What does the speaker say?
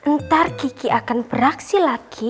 entar kiki akan beraksi lagi